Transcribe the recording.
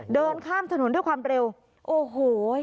เดินข้ามถนนด้วยความเร็วโอ้โห